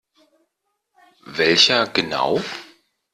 Welcher genau?